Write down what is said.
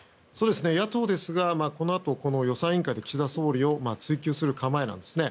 野党ですがこのあと予算委員会で岸田総理を追及する構えなんですね。